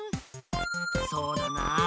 そうだな。